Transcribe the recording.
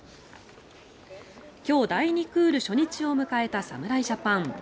今日、第２クール初日を迎えた侍ジャパン。